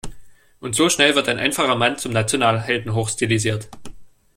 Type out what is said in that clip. Und so schnell wird ein einfacher Mann zum Nationalhelden hochstilisiert.